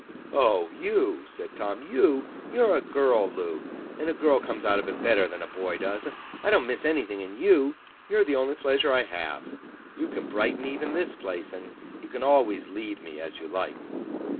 'Oh! You,' said Tom; 'you are a girl, Loo, and a girl comes out of it better than a boy does. I don't miss anything in you. You are the only pleasure I have—you can brighten even this place—and you can always lead me as you like.